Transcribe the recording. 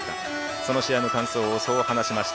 その試合の感想をそう話しました